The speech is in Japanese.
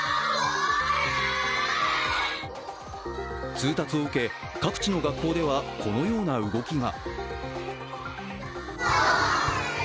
通達を受け、各地の学校ではこのような動きが。